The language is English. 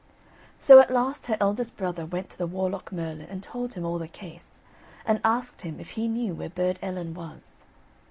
So at last her eldest brother went to the Warlock Merlin and told him all the case, and asked him if he knew where Burd Ellen was.